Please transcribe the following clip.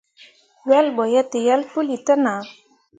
Wel ɓo yetǝyel puli te nah.